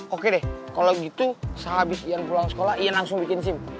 oke deh kalo gitu sehabis ian pulang sekolah ian langsung bikin sim